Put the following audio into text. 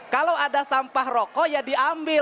kalau ada sampah rokok ya diambil